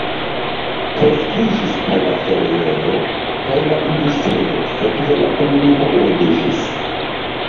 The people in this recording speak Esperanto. Kreskiĝis kaj la feriejo, kaj la industrio, sekve la komunumo urbiĝis.